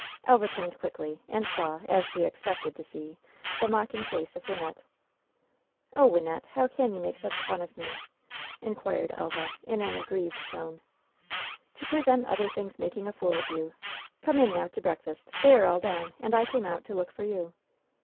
Elva turned quickly, and saw, as she expected to see, the mocking face of Wynnette. "Oh, Wynnette ! how can you make such fun of me!'* inquired Elva, in an aggrieved tone. "To prevent other things making a fool of you. Come in, now, to breakfast. They are all down, and I came out to look for you.'